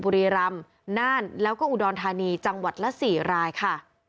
บุรีรำน่านแล้วก็อุดรธานีจังหวัดละ๔รายค่ะ